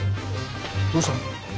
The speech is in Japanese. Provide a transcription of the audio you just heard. どうしたの？